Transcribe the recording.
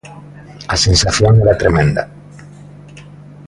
A sensación era tremenda.